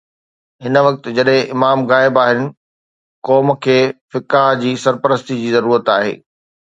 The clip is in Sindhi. هن وقت جڏهن امام غائب آهن، قوم کي فقهاء جي سرپرستي جي ضرورت آهي.